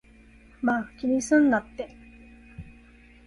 まぁ、気にすんなって